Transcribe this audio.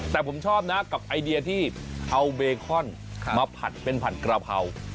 แต่ผมชอบนะกับไอเดียที่เอาเบคอนมาผัดเป็นผัดกระเพรา